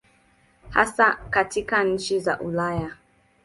Hasa katika nchi za Ulaya.